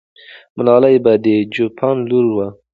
ملالۍ به د چوپان لور وه.